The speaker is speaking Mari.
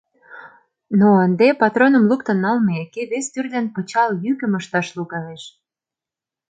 Но ынде, патроным луктын налмеке, вес тӱрлын пычал йӱкым ышташ «логалеш.